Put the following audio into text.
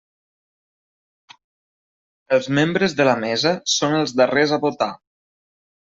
Els membres de la mesa són els darrers a votar.